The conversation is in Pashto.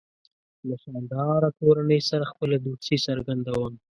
له شانداره کورنۍ سره خپله دوستي څرګندوم.